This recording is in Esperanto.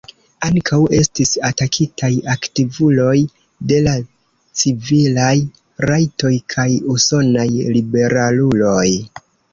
Ankaŭ estis atakitaj aktivuloj de la civilaj rajtoj kaj usonaj liberaluloj.